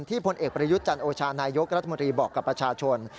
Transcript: พลเอกประยุทธ์จันโอชานายกรัฐมนตรีบอกกับประชาชน